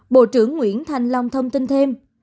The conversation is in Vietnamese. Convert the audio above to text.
bộ trưởng nguyễn thành long thông tin thêm